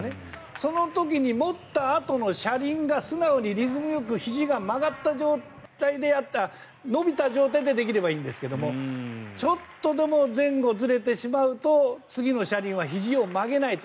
その時に持ったあとの車輪が素直にリズムよくひじが曲がった状態で伸びた状態でできればいいんですけれどもちょっとでも前後ずれてしまうと次の車輪はひじを曲げないと。